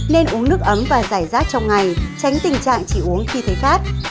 nên uống nước ấm và giải rác trong ngày tránh tình trạng chỉ uống khi thấy phát